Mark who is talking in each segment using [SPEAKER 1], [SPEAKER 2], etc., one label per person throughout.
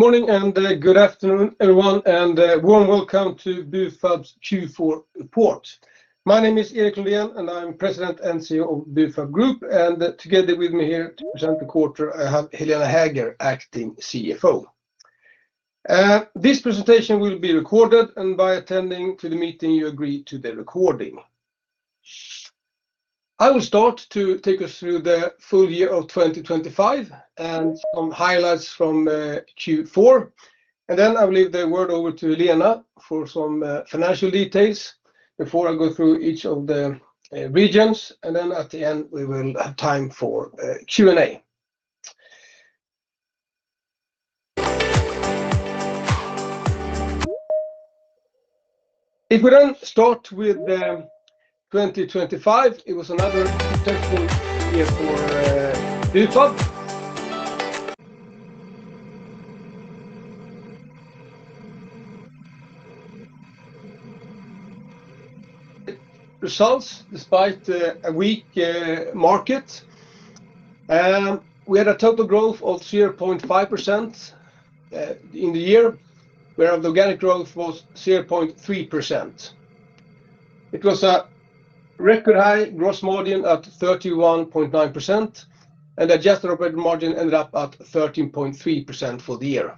[SPEAKER 1] Good morning and good afternoon, everyone, and warm welcome to Bufab's Q4 report. My name is Erik Lundén and I'm President and CEO of Bufab Group, and together with me here to present the quarter, I have Helena Häger, Acting CFO. This presentation will be recorded, and by attending the meeting, you agree to the recording. I will start to take us through the full year of 2025 and some highlights from Q4, and then I will leave the word over to Lena for some financial details before I go through each of the regions, and then at the end, we will have time for Q&A. If we then start with 2025, it was another successful year for Bufab. Results, despite a weak market, we had a total growth of 0.5% in the year, where organic growth was 0.3%. It was a record high gross margin at 31.9%, and adjusted operating margin ended up at 13.3% for the year.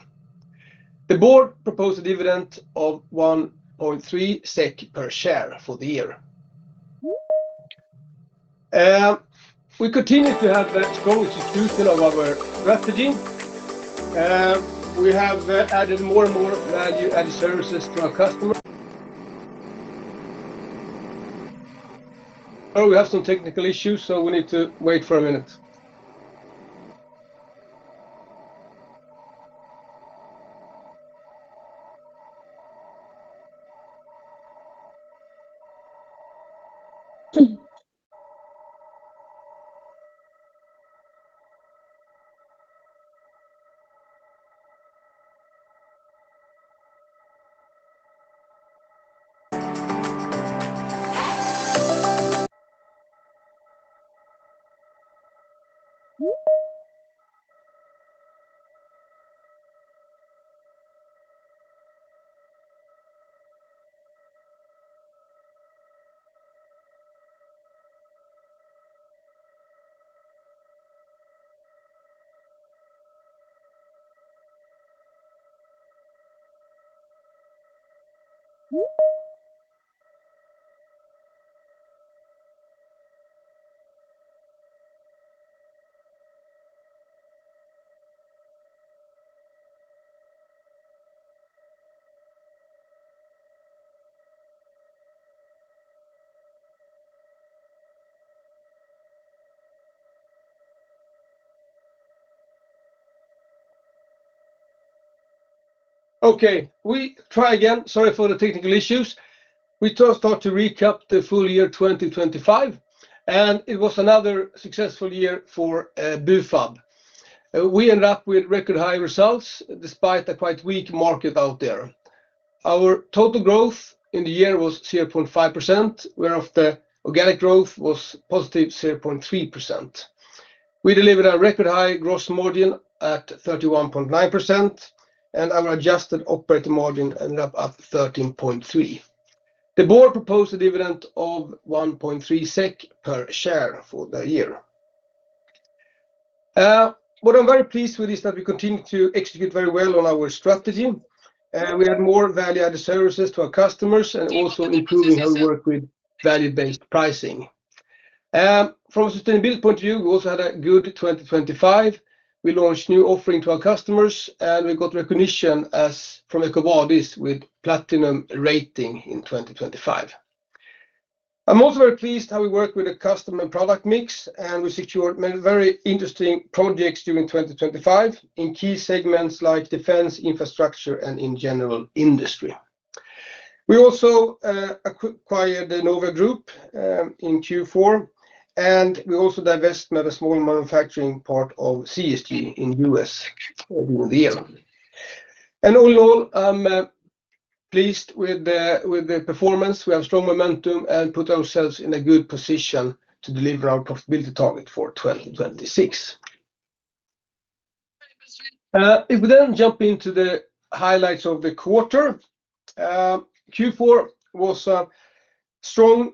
[SPEAKER 1] The board proposed a dividend of 1.3 SEK per share for the year. We continue to have growth execution of our strategy. We have added more and more value-added services to our customers... Oh, we have some technical issues, so we need to wait for a minute. Okay, we try again. Sorry for the technical issues. We just start to recap the full year 2025, and it was another successful year for Bufab. We end up with record high results despite a quite weak market out there. Our total growth in the year was 0.5%, whereof the organic growth was +0.3%. We delivered a record high gross margin at 31.9%, and our adjusted operating margin ended up at 13.3%. The board proposed a dividend of 1.3 SEK per share for the year. What I'm very pleased with is that we continue to execute very well on our strategy, we add more value-added services to our customers and also improving our work with value-based pricing. From a sustainability point of view, we also had a good 2025. We launched new offering to our customers, and we got recognition from EcoVadis with platinum rating in 2025. I'm also very pleased how we work with the customer and product mix, and we secured many very interesting projects during 2025 in key segments like defense, infrastructure, and in general, industry. We also acquired the Novia Group in Q4, and we also divest another small manufacturing part of CSG in U.S. for the year. And all in all, I'm pleased with the performance. We have strong momentum and put ourselves in a good position to deliver our profitability target for 2026. If we then jump into the highlights of the quarter, Q4 was a strong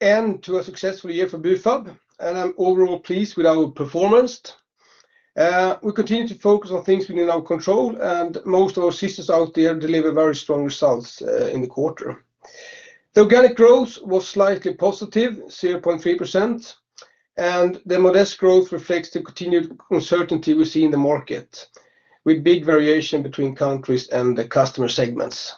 [SPEAKER 1] end to a successful year for Bufab, and I'm overall pleased with our performance. We continue to focus on things within our control, and most of our systems out there deliver very strong results in the quarter. The organic growth was slightly positive, 0.3%, and the modest growth reflects the continued uncertainty we see in the market, with big variation between countries and the customer segments.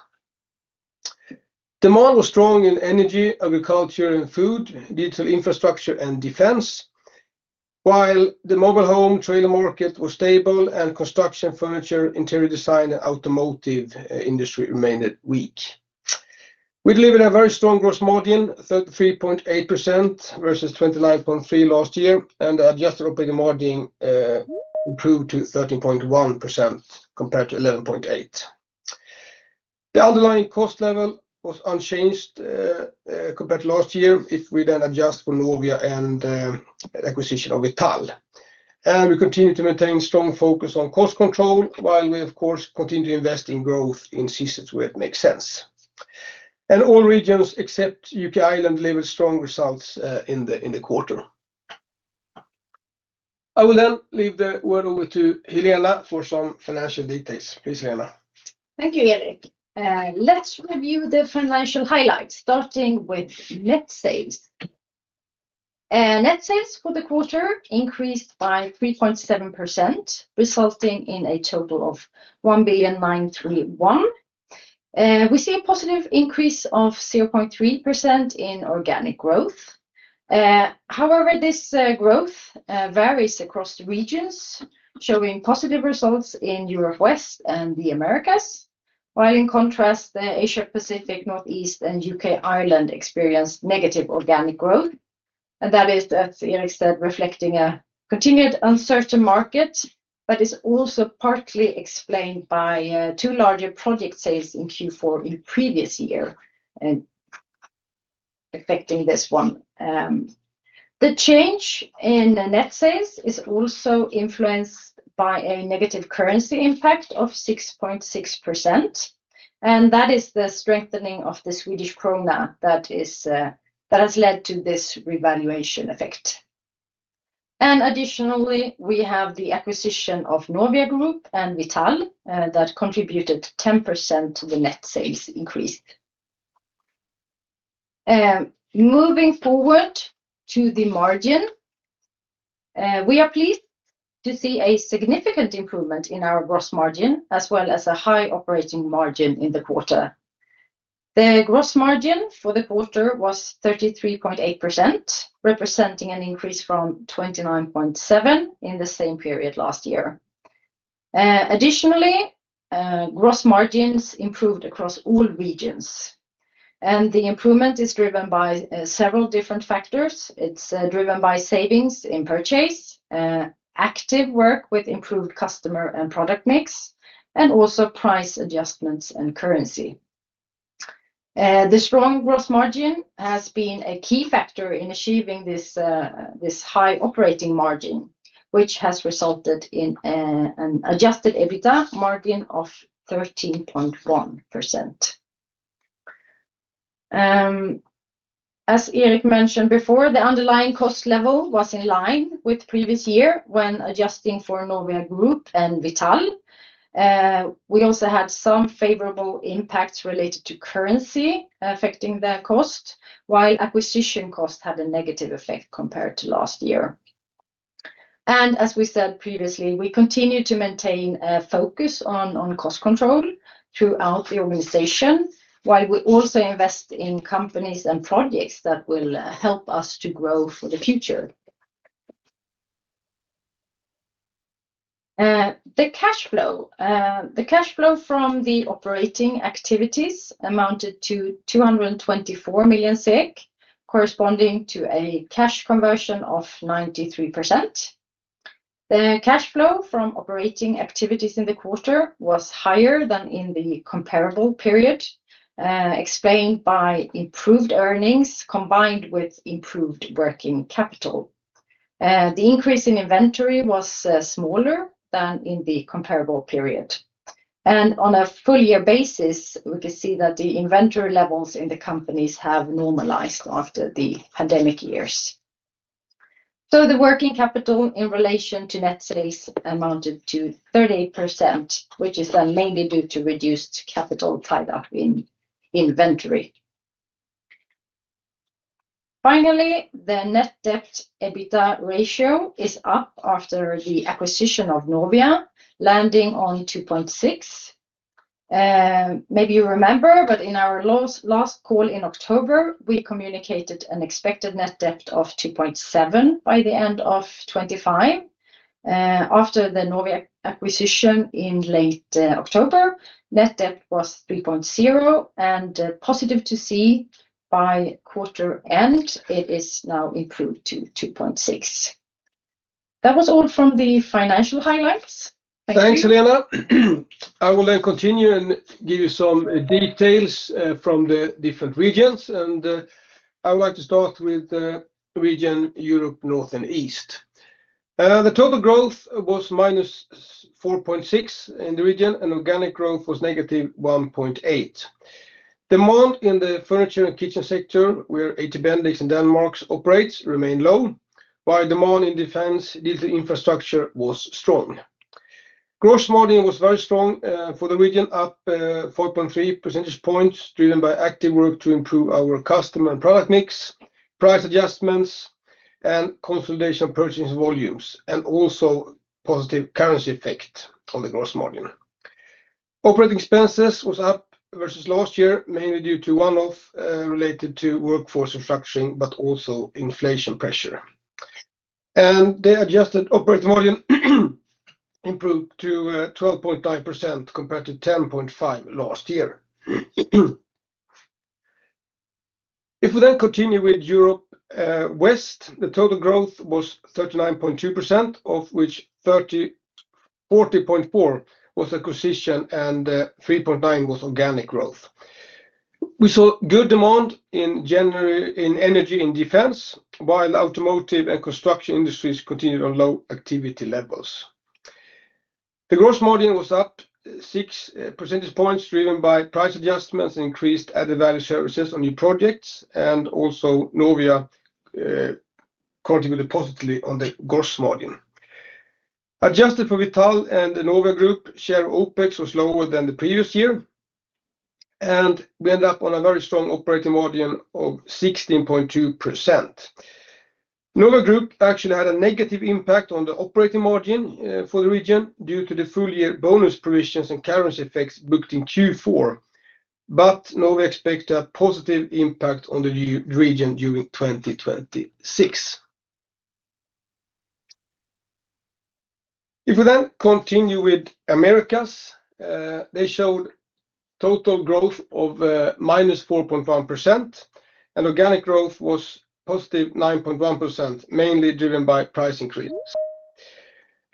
[SPEAKER 1] Demand was strong in energy, agriculture and food, digital infrastructure and defense, while the mobile home trailer market was stable and construction, furniture, interior design, and automotive industry remained weak. We deliver a very strong gross margin, 33.8% versus 25.3% last year, and adjusted operating margin improved to 13.1% compared to 11.8%. The underlying cost level was unchanged compared to last year, if we then adjust for Novia and acquisition of VITAL. And we continue to maintain strong focus on cost control, while we, of course, continue to invest in growth in C-parts, where it makes sense. All regions, except UK, Ireland, delivered strong results in the quarter. I will then leave the word over to Helena for some financial details. Please, Helena.
[SPEAKER 2] Thank you, Erik. Let's review the financial highlights, starting with net sales. Net sales for the quarter increased by 3.7%, resulting in a total of 1.931 billion. We see a positive increase of 0.3% in organic growth. However, this growth varies across the regions, showing positive results in Europe West and the Americas, while in contrast, the Asia Pacific, Northeast, and UK, Ireland, experienced negative organic growth. That is, as Erik said, reflecting a continued uncertain market, but is also partly explained by two larger project sales in Q4 in previous year, and affecting this one. The change in the net sales is also influenced by a negative currency impact of 6.6%, and that is the strengthening of the Swedish krona that is, that has led to this revaluation effect. Additionally, we have the acquisition of Novia Group and VITAL, that contributed 10% to the net sales increase. Moving forward to the margin, we are pleased to see a significant improvement in our gross margin, as well as a high operating margin in the quarter. The gross margin for the quarter was 33.8%, representing an increase from 29.7% in the same period last year. Additionally, gross margins improved across all regions, and the improvement is driven by, several different factors. It's driven by savings in purchase active work with improved customer and product mix, and also price adjustments and currency. The strong gross margin has been a key factor in achieving this high operating margin, which has resulted in an adjusted EBITDA margin of 13.1%. As Eric mentioned before, the underlying cost level was in line with previous year when adjusting for Novia Group and VITAL. We also had some favorable impacts related to currency affecting the cost, while acquisition cost had a negative effect compared to last year. And as we said previously, we continue to maintain a focus on cost control throughout the organization, while we also invest in companies and projects that will help us to grow for the future. The cash flow. The cash flow from the operating activities amounted to 224 million, corresponding to a cash conversion of 93%. The cash flow from operating activities in the quarter was higher than in the comparable period, explained by improved earnings, combined with improved working capital. The increase in inventory was smaller than in the comparable period. And on a full year basis, we can see that the inventory levels in the companies have normalized after the pandemic years. So the working capital in relation to net sales amounted to 38%, which is mainly due to reduced capital tie-up in inventory. Finally, the net debt EBITDA ratio is up after the acquisition of Novia, landing on 2.6. Maybe you remember, but in our last, last call in October, we communicated an expected net debt of 2.7 by the end of 2025. After the Novia acquisition in late October, net debt was 3.0, and positive to see by quarter end, it is now improved to 2.6. That was all from the financial highlights. Thank you.
[SPEAKER 1] Thanks, Helena. I will then continue and give you some details from the different regions, and I would like to start with the region Europe North and East. The total growth was -4.6 in the region, and organic growth was -1.8. Demand in the furniture and kitchen sector, where HT Bendix in Denmark operates, remained low, while demand in defense, digital infrastructure was strong. Gross margin was very strong for the region, up 4.3 percentage points, driven by active work to improve our customer and product mix, price adjustments and consolidation of purchasing volumes, and also positive currency effect on the gross margin. Operating expenses was up versus last year, mainly due to one-off related to workforce restructuring, but also inflation pressure. The adjusted operating margin improved to 12.9% compared to 10.5% last year. If we then continue with Europe West, the total growth was 39.2%, of which 40.4 was acquisition and 3.9 was organic growth. We saw good demand in January in energy and defense, while automotive and construction industries continued on low activity levels. The gross margin was up six percentage points, driven by price adjustments, increased added value services on new projects, and also Novia contributed positively on the gross margin. Adjusted for Vital and the Novia Group, share of OpEx was lower than the previous year, and we ended up on a very strong operating margin of 16.2%. Novia Group actually had a negative impact on the operating margin for the region due to the full-year bonus provisions and currency effects booked in Q4, but Novia expect a positive impact on the region during 2026. If we then continue with Americas, they showed total growth of -4.1%, and organic growth was +9.1%, mainly driven by price increases.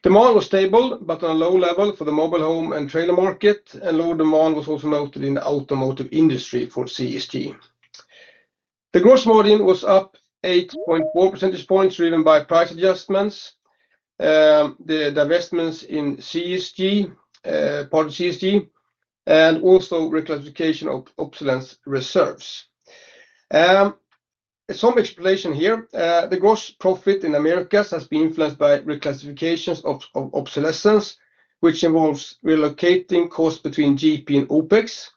[SPEAKER 1] Demand was stable, but on a low level for the mobile home and trailer market, and lower demand was also noted in the automotive industry for CSG. The gross margin was up 8.4 percentage points, driven by price adjustments, the divestments in CSG, part of CSG, and also reclassification of obsolescence reserves. Some explanation here. The gross profit in Americas has been influenced by reclassifications of obsolescence, which involves relocating costs between GP and OpEx.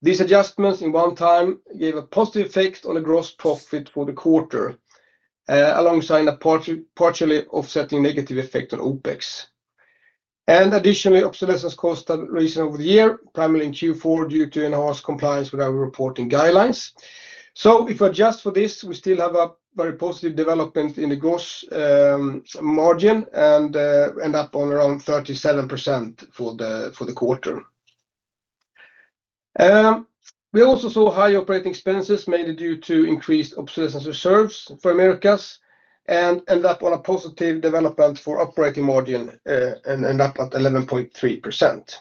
[SPEAKER 1] These adjustments one-time gave a positive effect on the gross profit for the quarter, alongside a partly, partially offsetting negative effect on OpEx. Additionally, obsolescence costs that arise over the year, primarily in Q4, due to enhanced compliance with our reporting guidelines. So if we adjust for this, we still have a very positive development in the gross margin and end up on around 37% for the quarter. We also saw high operating expenses, mainly due to increased obsolescence reserves for Americas, and end up on a positive development for operating margin and end up at 11.3%.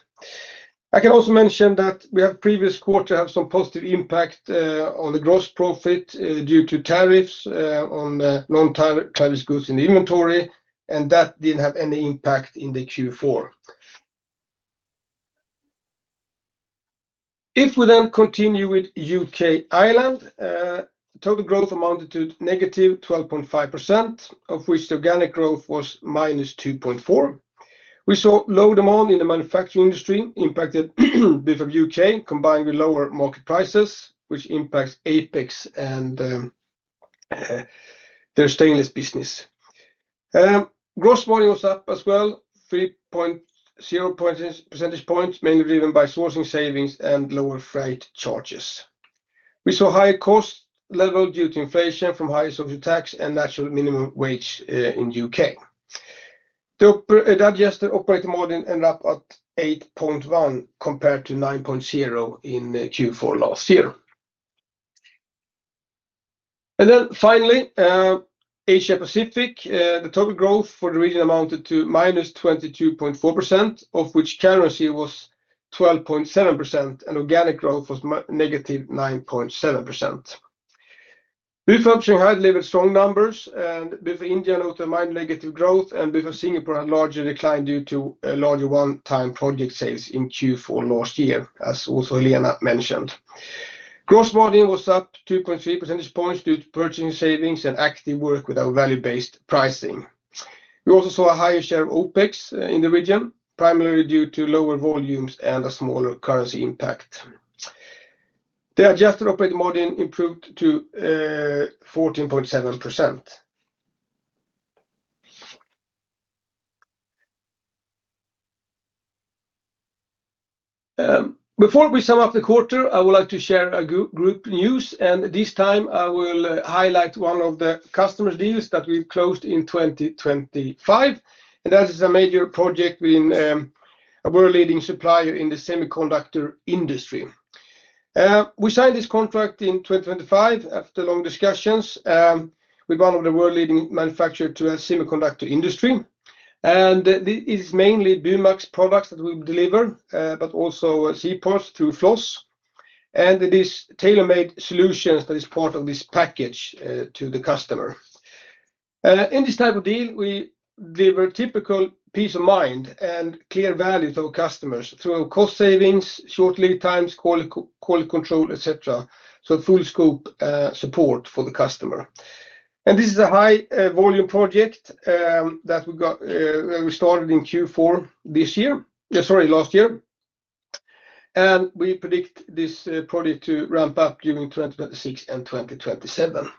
[SPEAKER 1] I can also mention that we have previous quarter have some positive impact on the gross profit due to tariffs on non-tariff goods in the inventory, and that didn't have any impact in the Q4. If we then continue with UK, Ireland, total growth amounted to negative 12.5%, of which the organic growth was minus 2.4. We saw low demand in the manufacturing industry, impacted with the UK, combined with lower market prices, which impacts Apex and their stainless business. Gross margin was up as well, 3.0 percentage points, mainly driven by sourcing savings and lower freight charges. We saw higher cost level due to inflation from higher social tax and national minimum wage in UK. The adjusted operating margin ended up at 8.1, compared to 9.0 in Q4 last year. And then finally, Asia Pacific, the total growth for the region amounted to -22.4%, of which currency was 12.7%, and organic growth was negative 9.7%. We're functioning highly with strong numbers, and with India note a minor negative growth and before Singapore, a larger decline due to a larger one-time project sales in Q4 last year, as also Helena mentioned. Gross margin was up 2.3 percentage points due to purchasing savings and active work with our value-based pricing. We also saw a higher share of OpEx in the region, primarily due to lower volumes and a smaller currency impact. The adjusted operating margin improved to 14.7%. Before we sum up the quarter, I would like to share group news, and this time, I will highlight one of the customer deals that we've closed in 2025, and that is a major project within a world-leading supplier in the semiconductor industry. We signed this contract in 2025 after long discussions with one of the world-leading manufacturers in the semiconductor industry. And this is mainly BUMAX products that we deliver, but also C-parts through Flos, and it is tailor-made solutions that is part of this package to the customer. In this type of deal, we deliver typical peace of mind and clear value for our customers through cost savings, short lead times, quality, quality control, et cetera. So full scope support for the customer. This is a high-volume project that we got; we started in Q4 this year, sorry, last year, and we predict this project to ramp up during 2026 and 2027.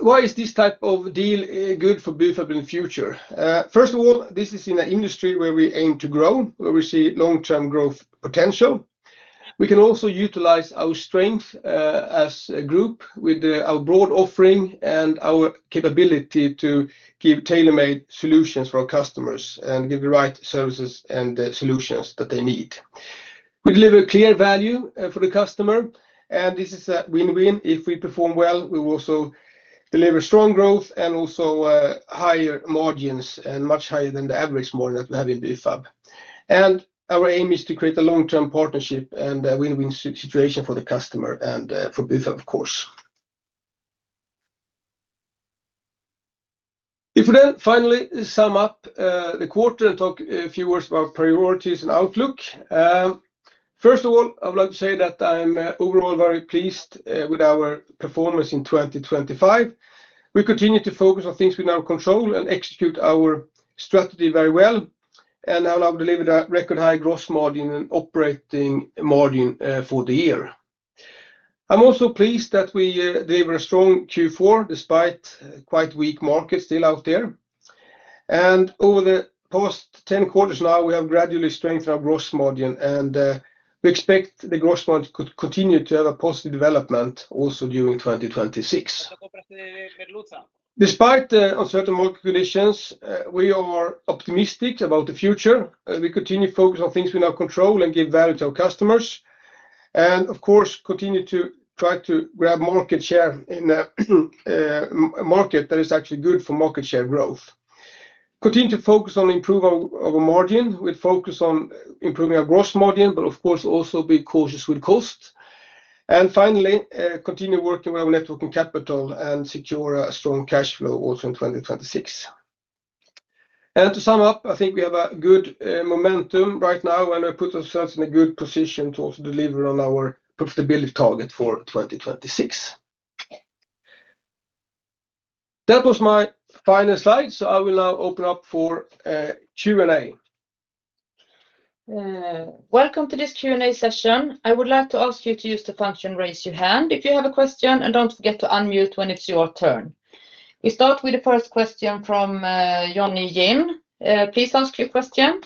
[SPEAKER 1] Why is this type of deal good for Bufab in future? First of all, this is in an industry where we aim to grow, where we see long-term growth potential. We can also utilize our strength as a group with our broad offering and our capability to give tailor-made solutions for our customers and give the right services and the solutions that they need... We deliver clear value for the customer, and this is a win-win. If we perform well, we will also deliver strong growth and also higher margins and much higher than the average margin that we have in Bufab. And our aim is to create a long-term partnership and a win-win situation for the customer and, for Bufab, of course. If we then finally sum up the quarter and talk a few words about priorities and outlook, first of all, I would like to say that I'm overall very pleased with our performance in 2025. We continue to focus on things within our control and execute our strategy very well, and I'll deliver the record high gross margin and operating margin for the year. I'm also pleased that we delivered a strong Q4, despite quite weak markets still out there. And over the past 10 quarters now, we have gradually strengthened our gross margin, and we expect the gross margin could continue to have a positive development also during 2026. Despite the uncertain market conditions, we are optimistic about the future. We continue to focus on things we now control and give value to our customers, and of course, continue to try to grab market share in a market that is actually good for market share growth. Continue to focus on improve our margin. We focus on improving our gross margin, but of course, also be cautious with cost. And finally, continue working with our working capital and secure a strong cash flow also in 2026. And to sum up, I think we have a good momentum right now, and we put ourselves in a good position to also deliver on our profitability target for 2026. That was my final slide, so I will now open up for Q&A.
[SPEAKER 3] Welcome to this Q&A session. I would like to ask you to use the function, raise your hand, if you have a question, and don't forget to unmute when it's your turn. We start with the first question from Jonny Jin. Please ask your question.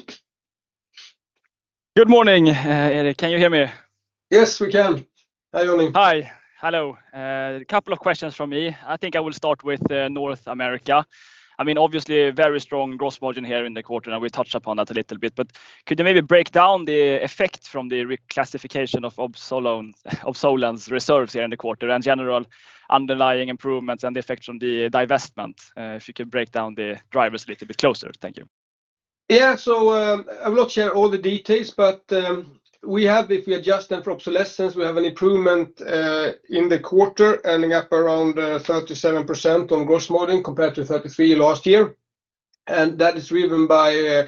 [SPEAKER 4] Good morning, Erik. Can you hear me?
[SPEAKER 1] Yes, we can. Hi, Johnny.
[SPEAKER 4] Hi. Hello. A couple of questions from me. I think I will start with North America. I mean, obviously, a very strong gross margin here in the quarter, and we touched upon that a little bit. But could you maybe break down the effect from the reclassification of obsolescence reserves here in the quarter and general underlying improvements and the effect from the divestment? If you could break down the drivers a little bit closer. Thank you.
[SPEAKER 1] Yeah. So, I will not share all the details, but we have, if we adjust them for obsolescence, we have an improvement in the quarter, ending up around 37% on gross margin, compared to 33% last year. And that is driven by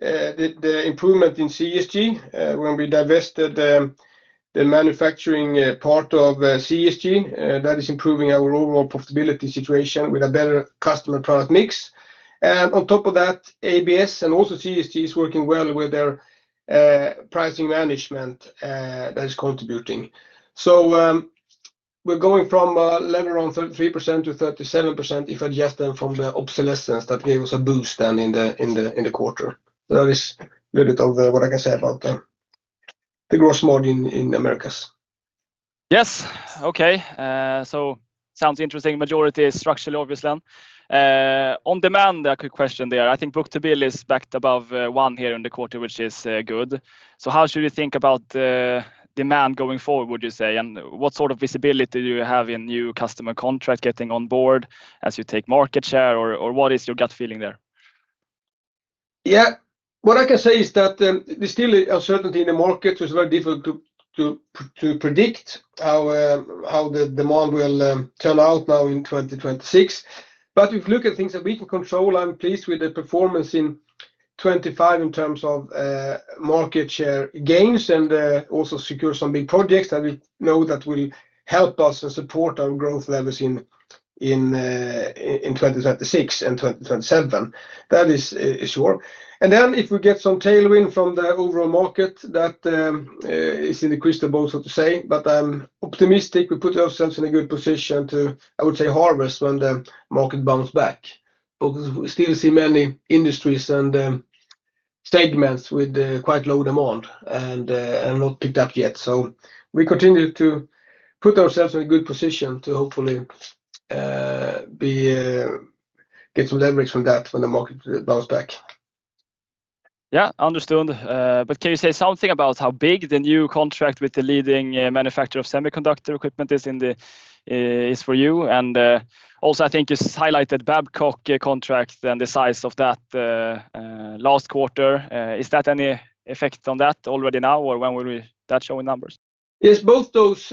[SPEAKER 1] the improvement in CSG when we divested the manufacturing part of CSG. That is improving our overall profitability situation with a better customer product mix. And on top of that, ABS and also CSG is working well with their pricing management that is contributing. So, we're going from a level around 33% to 37%, if adjust them from the obsolescence. That gave us a boost then in the quarter. That is a little bit of what I can say about the gross margin in Americas.
[SPEAKER 4] Yes. Okay. So sounds interesting. Majority is structurally, obviously. On demand, a quick question there. I think book-to-bill is back above one here in the quarter, which is good. So how should we think about the demand going forward, would you say? And what sort of visibility do you have in new customer contracts getting on board as you take market share, or what is your gut feeling there?
[SPEAKER 1] Yeah. What I can say is that, there's still uncertainty in the market. It's very difficult to predict how the demand will turn out now in 2026. But if you look at things that we can control, I'm pleased with the performance in 2025 in terms of market share gains and also secure some big projects that we know that will help us and support our growth levels in 2026 and 2027. That is sure. And then if we get some tailwind from the overall market, that is in the crystal ball, so to say, but I'm optimistic we put ourselves in a good position to, I would say, harvest when the market bounce back. Because we still see many industries and segments with quite low demand and not picked up yet. So we continue to put ourselves in a good position to hopefully get some leverage from that when the market bounce back.
[SPEAKER 4] Yeah, understood. But can you say something about how big the new contract with the leading manufacturer of semiconductor equipment is in the is for you? And also, I think you highlighted Babcock contract and the size of that last quarter. Is that any effect on that already now, or when will we... That show in numbers?
[SPEAKER 1] Yes, both those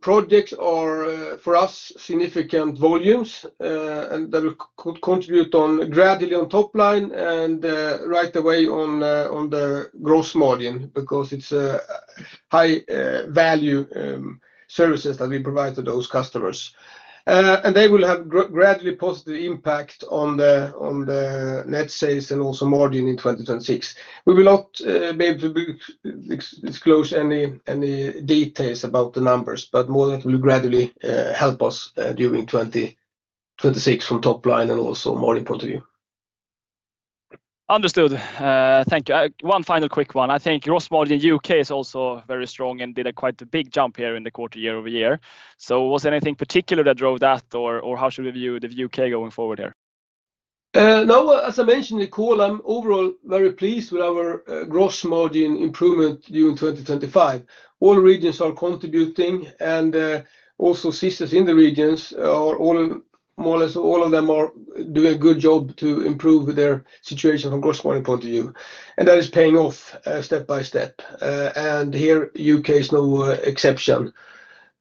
[SPEAKER 1] projects are for us significant volumes, and that will contribute gradually on top line and right away on the gross margin, because it's a high value services that we provide to those customers. And they will have gradually positive impact on the net sales and also margin in 2026. We will not be able to disclose any details about the numbers, but more that will gradually help us during 2026 from top line and also margin point of view.
[SPEAKER 4] Understood. Thank you. One final quick one. I think gross margin U.K. is also very strong and did a quite a big jump here in the quarter, year over year. So was there anything particular that drove that, or, or how should we view the U.K. going forward here?...
[SPEAKER 1] No, as I mentioned in the call, I'm overall very pleased with our gross margin improvement during 2025. All regions are contributing, and also sisters in the regions are all, more or less, all of them are doing a good job to improve their situation from gross margin point of view, and that is paying off, step by step. And here, U.K. is no exception.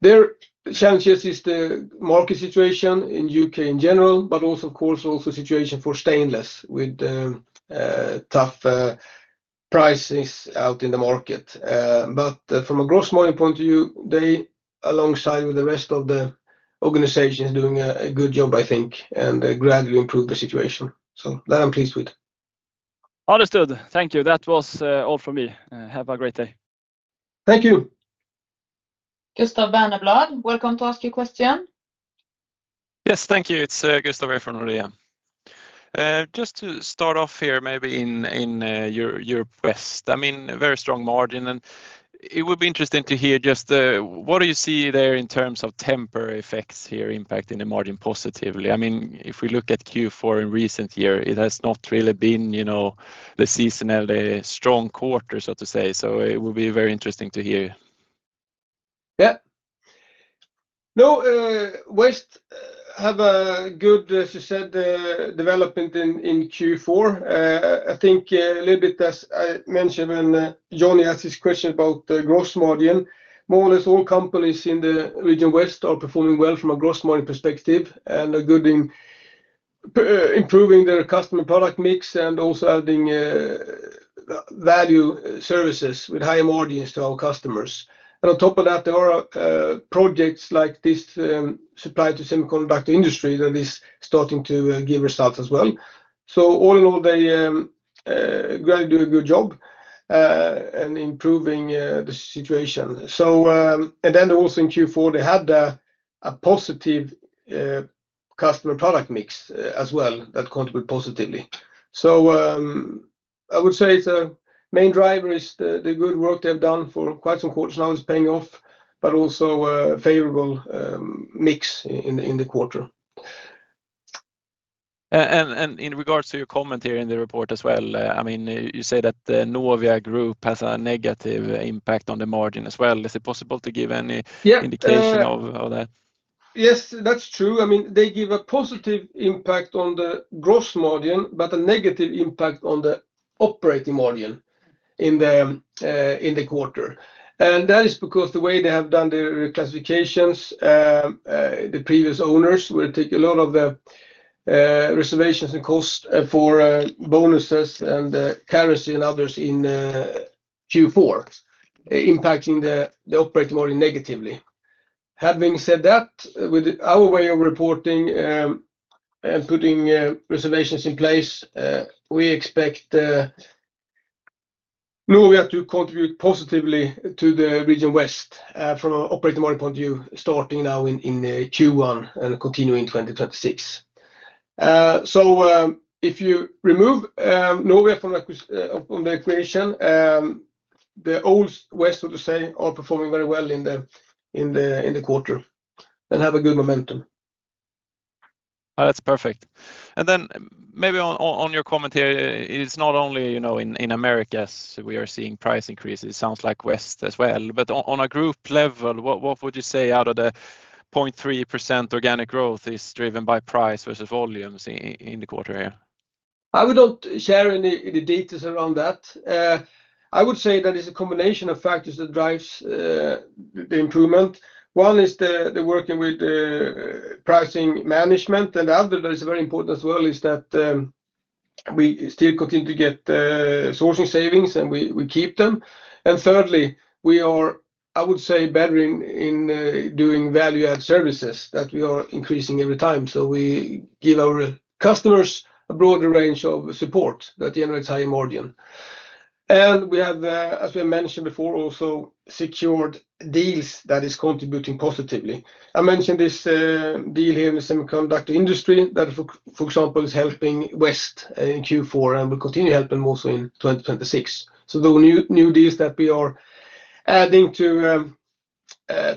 [SPEAKER 1] Their challenges is the market situation in U.K. in general, but also, of course, also situation for stainless, with tough prices out in the market. But from a gross margin point of view, they, alongside with the rest of the organization, is doing a good job, I think, and gradually improve the situation. So that I'm pleased with.
[SPEAKER 4] Understood. Thank you. That was all from me. Have a great day.
[SPEAKER 1] Thank you.
[SPEAKER 3] Gustav Berneblad, welcome to ask your question.
[SPEAKER 5] Yes, thank you. It's Gustav from Nordea. Just to start off here, maybe in your West, I mean, a very strong margin, and it would be interesting to hear just what do you see there in terms of temporary effects here impacting the margin positively? I mean, if we look at Q4 in recent year, it has not really been, you know, the seasonality strong quarter, so to say. So it will be very interesting to hear.
[SPEAKER 1] Yeah. No, West have a good, as you said, development in, in Q4. I think, a little bit, as I mentioned when Johnny asked his question about the gross margin, more or less all companies in the region West are performing well from a gross margin perspective, and are good in, improving their customer product mix and also adding, value services with higher margins to our customers. And on top of that, there are, projects like this, supply to semiconductor industry that is starting to, give results as well. So all in all, they, gradually do a good job, in improving, the situation. So, and then also in Q4, they had a, a positive, customer product mix as well that contribute positively. So, I would say the main driver is the good work they have done for quite some quarters now is paying off, but also favorable mix in the quarter.
[SPEAKER 5] in regards to your comment here in the report as well, I mean, you say that the Novia Group has a negative impact on the margin as well. Is it possible to give any-
[SPEAKER 1] Yeah...
[SPEAKER 5] indication of that?
[SPEAKER 1] Yes, that's true. I mean, they give a positive impact on the gross margin, but a negative impact on the operating margin in the quarter. And that is because the way they have done the reclassifications, the previous owners will take a lot of the reservations and costs for bonuses and currency and others in Q4, impacting the operating margin negatively. Having said that, with our way of reporting and putting reservations in place, we expect Novia to contribute positively to the region West from an operating margin point of view, starting now in Q1 and continuing 2026. If you remove Novia from the equation, the old West, so to say, are performing very well in the quarter and have a good momentum.
[SPEAKER 5] That's perfect. Then maybe on your comment here, it's not only, you know, in Americas, we are seeing price increases, it sounds like West as well. But on a group level, what would you say out of the 0.3% organic growth is driven by price versus volumes in the quarter here?
[SPEAKER 1] I would not share any of the details around that. I would say that it's a combination of factors that drives the improvement. One is the working with the pricing management, and the other that is very important as well, is that we still continue to get sourcing savings, and we keep them. And thirdly, we are, I would say, better in doing value-add services that we are increasing every time. So we give our customers a broader range of support that generates high margin. And we have, as we mentioned before, also secured deals that is contributing positively. I mentioned this deal here in the semiconductor industry that, for example, is helping West in Q4 and will continue helping also in 2026. So the new deals that we are adding to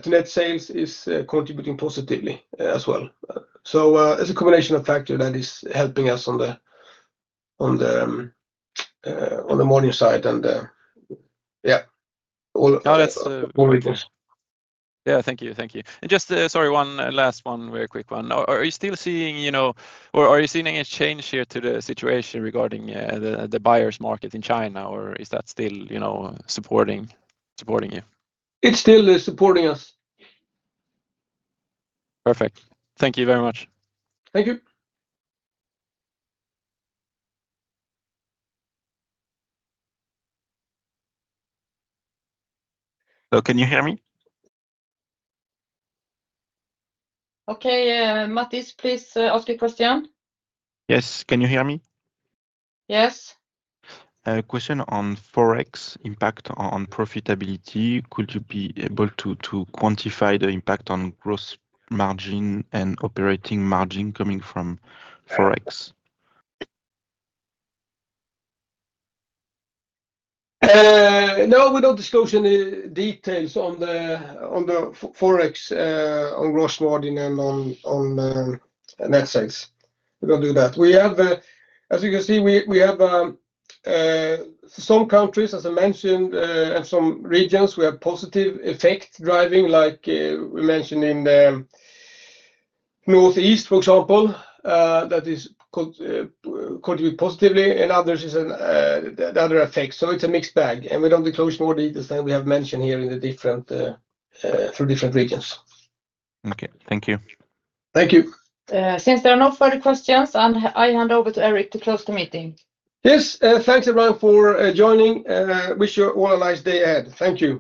[SPEAKER 1] net sales is contributing positively as well. So, it's a combination of factor that is helping us on the margin side, and Yeah. All-
[SPEAKER 5] No, that's,
[SPEAKER 1] More details.
[SPEAKER 5] Yeah. Thank you. Thank you. And just, sorry, one last one, very quick one. Are you still seeing, you know, or are you seeing any change here to the situation regarding the buyer's market in China, or is that still, you know, supporting you?
[SPEAKER 1] It still is supporting us.
[SPEAKER 5] Perfect. Thank you very much.
[SPEAKER 1] Thank you.
[SPEAKER 6] Hello, can you hear me?
[SPEAKER 3] Okay, Mattias, please, ask your question.
[SPEAKER 6] Yes. Can you hear me?
[SPEAKER 3] Yes.
[SPEAKER 6] A question on Forex impact on profitability. Could you be able to quantify the impact on gross margin and operating margin coming from Forex?
[SPEAKER 1] No, we don't disclose any details on the FX, forex, on gross margin and on net sales. We don't do that. We have, as you can see, we have some countries, as I mentioned, and some regions, we have positive effect driving, like, we mentioned in the Northeast, for example, that contributes positively, and others is the other effect. So it's a mixed bag, and we don't disclose more details than we have mentioned here in the different for different regions.
[SPEAKER 6] Okay. Thank you.
[SPEAKER 1] Thank you.
[SPEAKER 3] Since there are no further questions, I hand over to Erik to close the meeting.
[SPEAKER 1] Yes. Thanks everyone for joining. Wish you all a nice day ahead. Thank you.